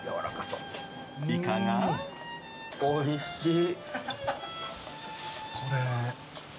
おいしい。